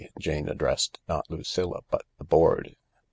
Jane addressed not Lucilla but the board.